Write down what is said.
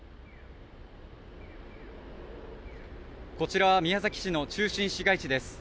こちらは宮崎市の中心市街地です